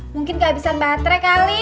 mungkin keabisan baterai kali